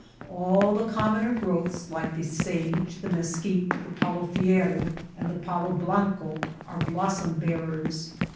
All the commoner growths like the sage, the mesquite, the palo fierro, and the palo bianco, are blossom bearers.